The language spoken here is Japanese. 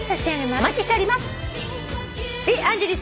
お待ちしております。